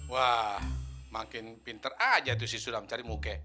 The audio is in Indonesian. wah makin pinter aja tuh si sulam cari muka